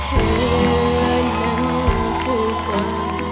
จากนี้ทุกลมหายใจฉันคือเธอ